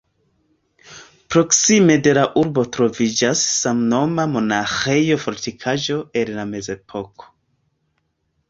Proksime de la urbo troviĝas samnoma monaĥejo-fortikaĵo el la Mezepoko.